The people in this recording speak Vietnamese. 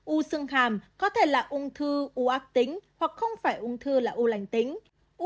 u xương hàm có thể là ung thư u ác tính hoặc không phải ung thư là u lành tính